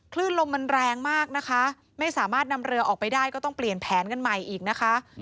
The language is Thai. คลื่นลมมันแรงมากนะคะไม่สามารถนำเรือออกไปได้ก็ต้องเปลี่ยนแผนกันใหม่อีกนะคะ